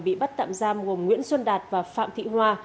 bị bắt tạm giam gồm nguyễn xuân đạt và phạm thị hoa